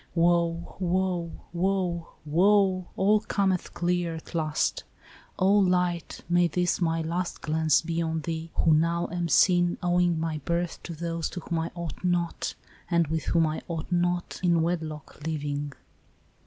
" Woe ! woe ! woe ! woe ! all cometh clear at last ! O light, may this my last glance be on thee, Who now am seen, owing my birth to those To whom I ought not, and with whom I ought not. In wedlock living."